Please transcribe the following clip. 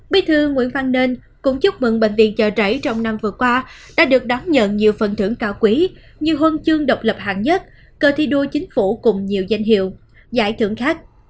bị thư nguyễn văn nênh cũng chúc mừng bệnh viện chợ trẩy trong năm vừa qua đã được đón nhận nhiều phần thưởng cao quý nhiều huân chương độc lập hạng nhất cơ thi đua chính phủ cùng nhiều danh hiệu giải thưởng khác